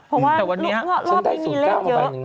เพราะว่ารอบนี้มีเลขเยอะซึ่งได้สูตรกล้าวมากไปหนึ่งนะ